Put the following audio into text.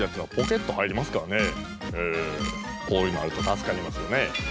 こういうのあるとたすかりますよね。